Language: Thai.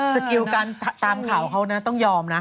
ติดติวตามข่าวเขาต้องยอมนะ